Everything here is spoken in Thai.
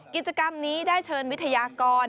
กิจกรรมนี้ได้เชิญวิทยากร